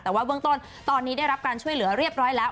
แต่ว่าเบื้องต้นตอนนี้ได้รับการช่วยเหลือเรียบร้อยแล้ว